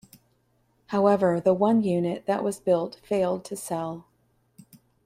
However, the one unit that was built failed to sell.